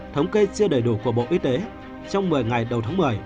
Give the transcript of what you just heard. thống kê chưa đầy đủ của bộ y tế trong một mươi ngày đầu tháng một mươi